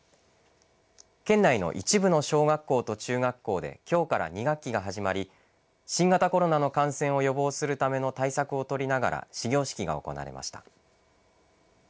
県内の一部の小学校と中学校できょうから２学期が始まり新型コロナの感染を予防するための対策を取りながら始業式が行われました。